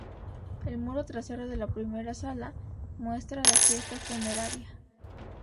El muro trasero de la primera sala muestra la fiesta funeraria.